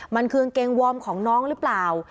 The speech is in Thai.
มันคือกางเกงวอร์มของน้องหรือเปล่า